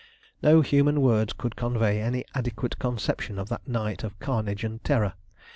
No human words could convey any adequate conception of that night of carnage and terror.